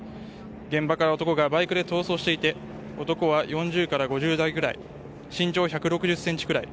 現場から男がバイクで逃走していて男は４０から５０代ぐらい身長１６０ｃｍくらい。